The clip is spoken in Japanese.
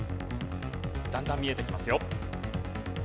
だんだん見えてきますよ。